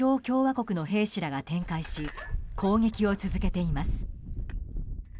共和国の兵士らが展開し攻撃を続けています。